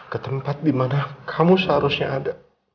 ketempat dimana kamu seharusnya ada